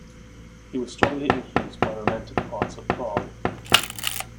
He was strongly influenced by romantic parts of Prague.